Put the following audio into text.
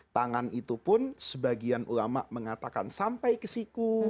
tangan itu pun sebagian ulama mengatakan sampai ke situ